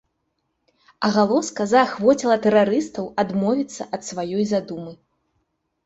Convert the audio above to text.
Агалоска заахвоціла тэрарыстаў адмовіцца ад сваёй задумы.